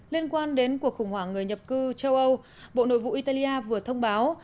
liên quan đến cuộc khủng hoảng người nhập cư châu âu bộ nội vụ italia vừa thông báo